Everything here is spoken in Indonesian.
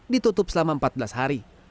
ditutup selama empat belas hari